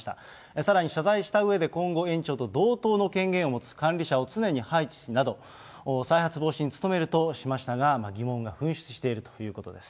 さらに謝罪したうえで、今後、園長と同等の権限を持つ管理者を常に配置するなど、再発防止に努めるとしましたが、疑問が噴出しているということです。